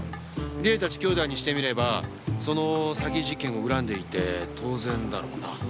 理恵たち姉弟にしてみればその詐欺事件を恨んでいて当然だろうな。